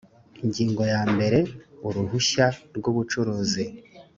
ingingo ya mbere uruhushya rw ubucuruzi